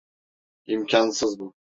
İmkânsız bu.